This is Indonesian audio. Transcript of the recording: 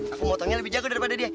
aku motongnya lebih jago daripada dia